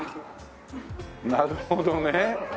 なるほどね。